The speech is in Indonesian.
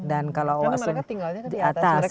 mereka tinggalnya di atas